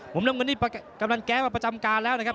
น้ำเงินนี่กำลังแก๊สมาประจำการแล้วนะครับ